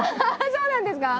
そうなんですか？